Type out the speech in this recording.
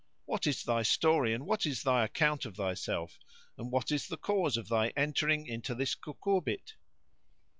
What is thy story, and what is thy account of thyself, and what is the cause of thy entering into this cucurbit?"